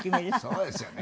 そうですよね。